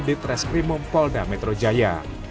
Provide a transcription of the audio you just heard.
di treskrimum polda metro jaya